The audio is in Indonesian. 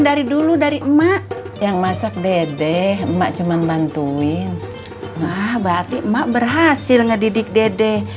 dari dulu dari emak yang masak dedeh emak cuman bantuin ah batik mak berhasil ngedidik dedeh